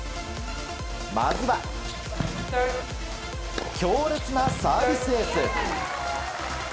まずは、強烈なサービスエース。